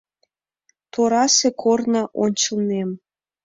Торасе корно — ончылнем.